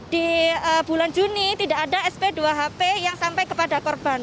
di bulan juni tidak ada sp dua hp yang sampai kepada korban